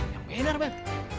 yang benar beb